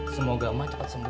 semoga ma cepet sembuh